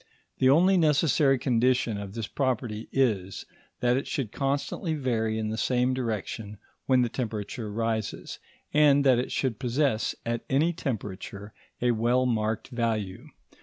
The only necessary condition of this property is, that it should constantly vary in the same direction when the temperature rises, and that it should possess, at any temperature, a well marked value.